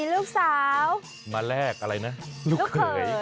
ลูกสาวมาแลกอะไรนะลูกเขย